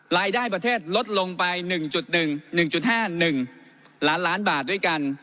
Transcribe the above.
รายได้ประเทศลดลงไป๑๑๑๕๑ล้านล้านบาทด้วยกัน